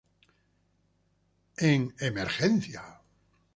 En Emergency!